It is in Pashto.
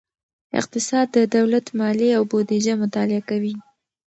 اقتصاد د دولت مالیې او بودیجه مطالعه کوي.